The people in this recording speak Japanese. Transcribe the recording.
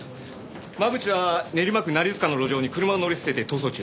真渕は練馬区成塚の路上に車を乗り捨てて逃走中。